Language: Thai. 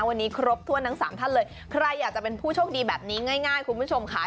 วันนี้ครบถ้วนทั้งสามท่านเลยใครอยากจะเป็นผู้โชคดีแบบนี้ง่ายคุณผู้ชมค่ะ